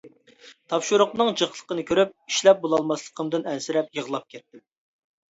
تاپشۇرۇقنىڭ جىقلىقىنى كۆرۈپ، ئىشلەپ بولالماسلىقىمدىن ئەنسىرەپ يىغلاپ كەتتىم.